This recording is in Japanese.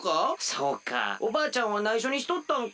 そうかおばあちゃんはないしょにしとったんか。